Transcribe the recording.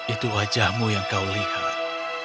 itu wajahmu yang kau lihat